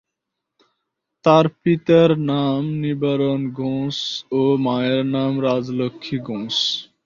তার পিতার নাম নিবারণ ঘোষ ও মায়ের নাম রাজলক্ষ্মী ঘোষ।